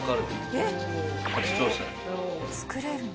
「作れるの？」